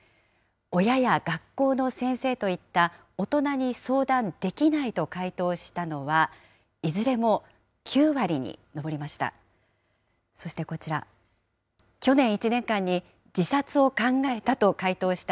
親や学校の先生といった、大人に相談できないと回答したのは、いずれも９割に上りました。